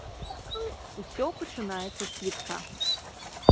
Усё пачынаецца з квітка.